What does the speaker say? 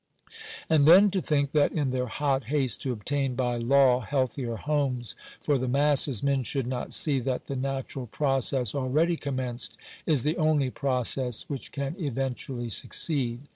And then to think that, in their hot haste to obtain by law healthier homes for the masses, men should not see that the natural process already commenced is the only process which can eventually succeed.